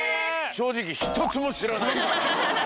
正直一つも知らない。